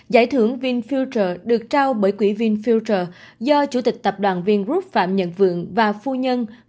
giải thưởng vinfuture được trao bởi quỹ vinfuture do chủ tịch tập đoàn vingroup phạm nhận vượng và phu nhân